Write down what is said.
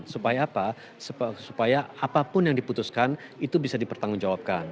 supaya apa supaya apapun yang diputuskan itu bisa dipertanggungjawabkan